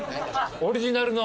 オリジナルの。